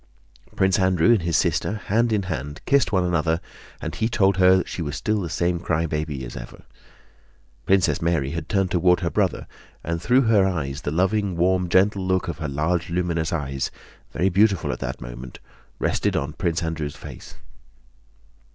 Prince Andrew and his sister, hand in hand, kissed one another, and he told her she was still the same crybaby as ever. Princess Mary had turned toward her brother, and through her tears the loving, warm, gentle look of her large luminous eyes, very beautiful at that moment, rested on Prince Andrew's face.